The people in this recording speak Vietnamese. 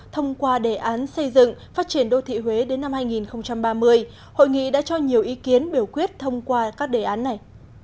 thông qua đề án xây dựng phát triển đô thị huế đến năm hai nghìn ba mươi hội nghị đã cho nhiều ý kiến biểu quyết thông qua các đề án này